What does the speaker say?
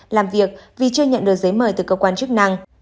làm việc vì chưa nhận được giấy mời từ cơ quan chức năng